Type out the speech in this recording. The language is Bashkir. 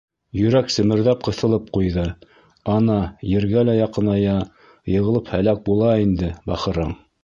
Иөрәк семерҙәп ҡыҫылып ҡуйҙы: «Ана, ергә лә яҡыная, йығылып һәләк була инде, бахырың».